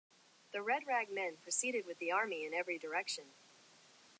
The red rag men proceeded with the army in every direction.